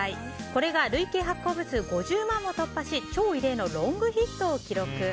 これが累計発行部数５０万を突破し超異例のロングヒットを記録。